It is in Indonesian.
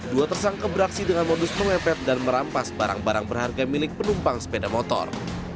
dua tersangka beraksi dengan modus mengepet dan merampas barang barang berharga milik penumpang sepeda motor